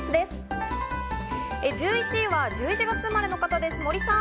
１１位は１１月生まれの方です、森さん。